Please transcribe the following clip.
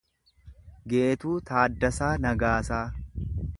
Geetuu Taaddasaa Nagaasaa